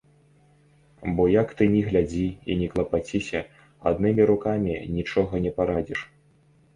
Бо як ты ні глядзі і ні клапаціся, аднымі рукамі нічога не парадзіш.